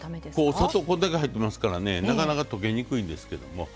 砂糖これだけ入ってますからねなかなか溶けにくいんですけども。